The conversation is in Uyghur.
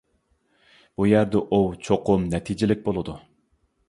بۇ يەردە ئوۋ چوقۇم نەتىجىلىك بولىدۇ.